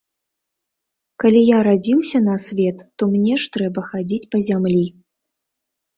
Калі я радзіўся на свет, то мне ж трэба хадзіць па зямлі.